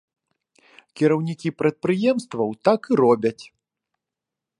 Кіраўнікі прадпрыемстваў так і робяць.